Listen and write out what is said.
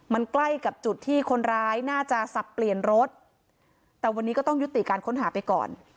มันใกล้กับจุดที่คนร้ายน่าจะสับเปลี่ยนรถแต่วันนี้ก็ต้องยุติการค้นหาไปก่อน